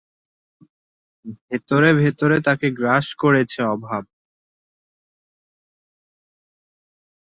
ভেতরে ভেতরে তাকে গ্রাস করেছে অভাব।